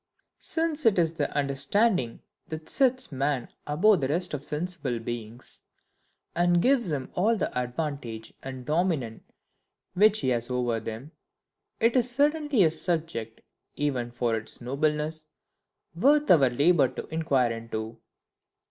Since it is the UNDERSTANDING that sets man above the rest of sensible beings, and gives him all the advantage and dominion which he has over them; it is certainly a subject, even for its nobleness, worth our labour to inquire into.